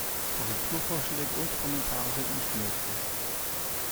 Korrekturvorschläge und Kommentare sind nicht möglich.